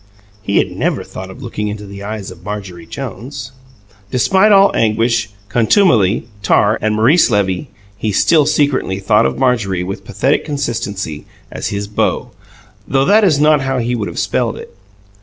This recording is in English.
He had never thought of looking into the eyes of Marjorie Jones. Despite all anguish, contumely, tar, and Maurice Levy, he still secretly thought of Marjorie, with pathetic constancy, as his "beau" though that is not how he would have spelled it.